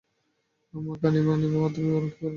আমার মাকে আমি আনিব, তুমি বারণ করিবার কে?